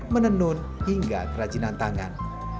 menenun hingga kerajinan tangan